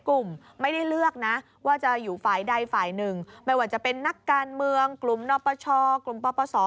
กรุงประสอบ